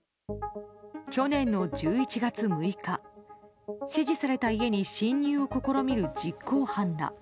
去年の１１月６日指示された家に侵入を試みる実行犯ら。